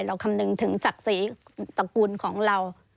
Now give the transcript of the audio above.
คำนึงถึงศักดิ์ศรีตระกูลของเรา